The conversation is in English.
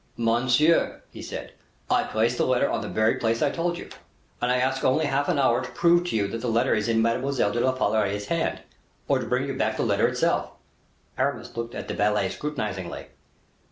"Monseigneur," he said, "I placed the letter on the very place I told you: and I ask only half an hour to prove to you that the letter is in Mademoiselle de la Valliere's hand, or to bring you back the letter itself." Aramis looked at the valet scrutinizingly.